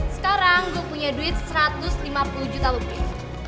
sekarang gue punya duit satu ratus lima puluh juta lebih